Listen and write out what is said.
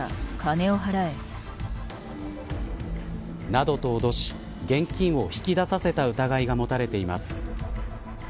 などと脅し現金を引き出させた疑いが持たれています。